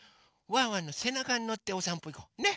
ワンワンのせなかにのっておさんぽいこう。ね？